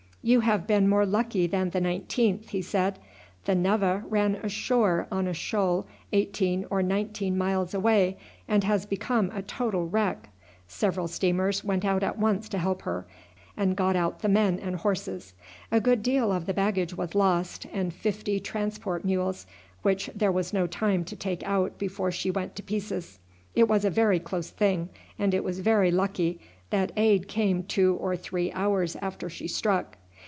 "You have been more lucky than the 19th," he said. "The Neva ran ashore on a shoal eighteen or nineteen miles away and has become a total wreck. Several steamers went out at once to help her, and got out the men and horses. A good deal of the baggage was lost, and fifty transport mules, which there was no time to take out before she went to pieces. It was a very close thing, and it was very lucky that aid came two or three hours after she struck.